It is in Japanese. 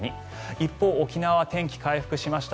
一方、沖縄は天気回復しました。